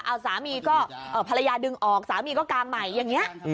เอาสามีก็ภรรยาดึงออกสามีก็กางใหม่อย่างนี้